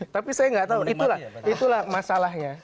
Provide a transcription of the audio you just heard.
tapi saya nggak tahu itulah masalahnya